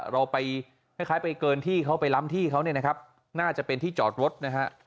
เราไปคล้ายไปเกินที่เขาไปล้ำที่เขาเนี่ยนะครับน่าจะเป็นที่จอดรถนะฮะ